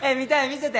見せて。